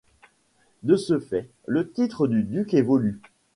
De ce fait, le titre du duc évolue.